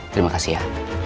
terima kasih ya